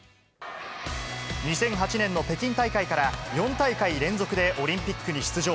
２００８年の北京大会から４大会連続でオリンピックに出場。